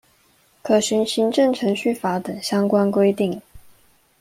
可循行政程序法等相關規定